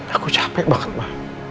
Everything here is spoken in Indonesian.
aku capek banget ma